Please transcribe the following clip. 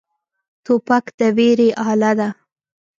توپک د ویرې اله دی.